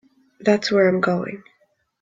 That's where I'm going.